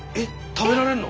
食べられるの？